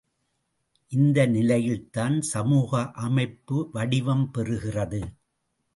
இந்த நிலையில்தான் சமூக அமைப்பு வடிவம் பெறுகிறது.